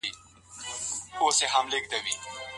ښځه د هغې د کورنۍ په خاطر ولي په نکاح کيږي؟